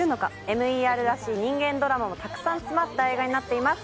ＭＥＲらしい人間ドラマもたくさん詰まった映画になっています